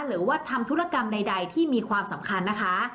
หรือว่าทำธุรกรรมใดที่มีความสำคัญนะคะ